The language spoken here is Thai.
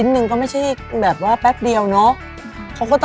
อ๋อมันก็มีหนึ่งเดียวด้วย